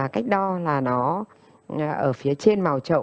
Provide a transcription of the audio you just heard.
cách đo là nó ở phía trên màu trậu